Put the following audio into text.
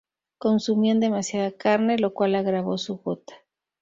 Consumía demasiada carne, lo cual agravó su gota.